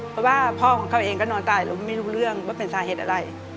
เพราะว่าพ่อของเขาเองก็นอนตายแล้วไม่รู้เรื่องว่าเป็นสาเหตุอะไร